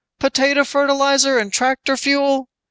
Potato fertilizer and tractor fuel.